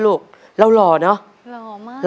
ขอบคุณค่ะ